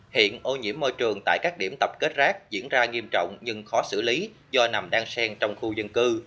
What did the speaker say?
hiện ô nhiễm môi trường tại các điểm tập kết rác diễn ra nghiêm trọng nhưng khó xử lý do nằm đang sen trong khu dân cư